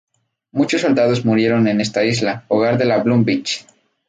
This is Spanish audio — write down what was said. Muchos soldados murieron en esta isla, hogar de la Blood Beach.